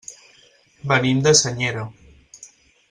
Venim de Senyera.